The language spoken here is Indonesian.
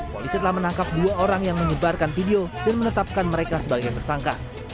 polisi telah menangkap dua orang yang menyebarkan video dan menetapkan mereka sebagai tersangka